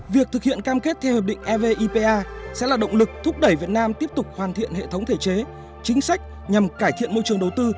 việc thực hiện cam kết theo hiệp định evipa sẽ là động lực thúc đẩy việt nam tiếp tục hoàn thiện hệ thống thể chế chính sách nhằm cải thiện môi trường đầu tư